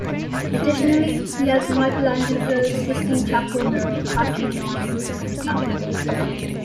Additionally, he has Michelangelo's Sistine Chapel mural tattooed on the roof of his mouth.